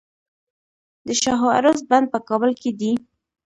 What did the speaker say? د شاه و عروس بند په کابل کې دی